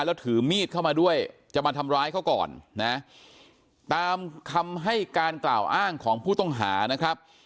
แล้วถือมีดเข้ามาด้วยจะมาทำร้ายเขาก่อนนะตามคำให้การกล่าวอ้างของผู้ต้องหานะครับ